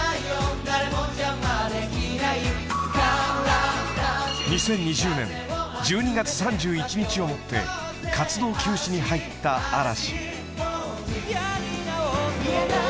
体中に２０２０年１２月３１日をもって活動休止に入った嵐